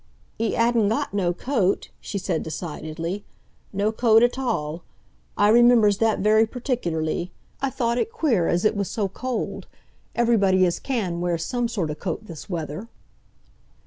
"'E 'adn't got no coat" she said decidedly. "No coat at all! I remembers that very perticulerly. I thought it queer, as it was so cold—everybody as can wears some sort o' coat this weather!"